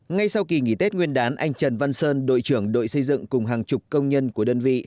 ngay sau kỳ nghỉ tết nguyên đán anh trần văn sơn đội trưởng đội xây dựng cùng hàng chục công nhân của đơn vị